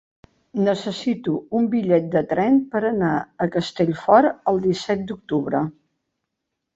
Necessito un bitllet de tren per anar a Castellfort el disset d'octubre.